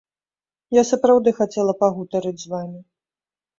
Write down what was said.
Я сапраўды хацела пагутарыць з вамі.